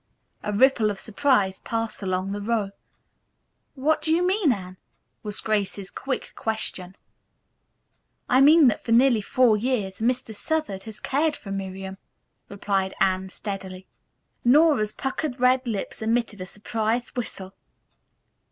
A ripple of surprise passed along the row. "What do you mean, Anne?" was Grace's quick question. "I mean that for nearly four years Mr. Southard has cared for Miriam," replied Anne steadily. Nora's puckered red lips emitted a surprised whistle.